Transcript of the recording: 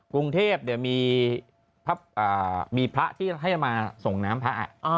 กรุงเทพมีพระที่ให้มาส่งน้ำพระ